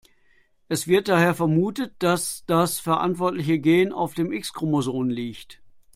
Es wird daher vermutet, dass das verantwortliche Gen auf dem X-Chromosom liegt.